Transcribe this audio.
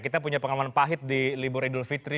kita punya pengalaman pahit di libur idul fitri